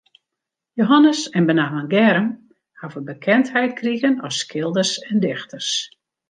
Jehannes en benammen Germ hawwe bekendheid krigen as skilders en dichters.